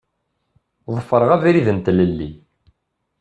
Ḍefreɣ abrid n tlelli.